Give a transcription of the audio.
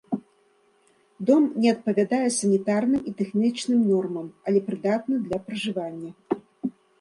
Дом не адпавядае санітарным і тэхнічным нормам, але прыдатны для пражывання.